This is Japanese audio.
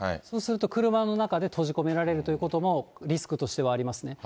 そうすると車の中で閉じ込められるということもリスクとしてはありますね。